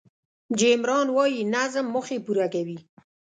جیم ران وایي نظم موخې پوره کوي.